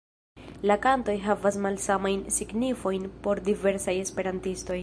La kantoj havas malsamajn signifojn por diversaj esperantistoj.